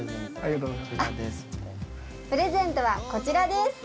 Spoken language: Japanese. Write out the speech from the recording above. プレゼントはこちらです。